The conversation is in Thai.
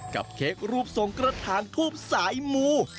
กับเค้กรูปส่งกระทางทูปสายหมู